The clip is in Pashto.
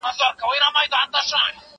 زه اوږده وخت مړۍ خورم؟!